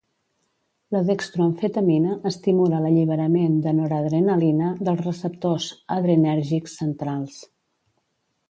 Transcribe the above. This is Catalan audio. La dextroamfetamina estimula l'alliberament de noradrenalina dels receptors adrenèrgics centrals.